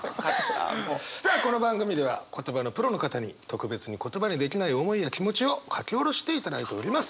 さあこの番組では言葉のプロの方に特別に言葉できない思いや気持ちを書き下ろしていただいております。